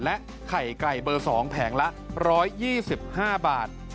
และไข่ไก่เบอร์๒แผงละ๑๒๕บาท